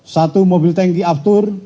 satu mobil tanki aptur